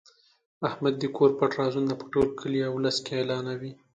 احمد د کور پټ رازونه په ټول کلي اولس کې اعلانوي.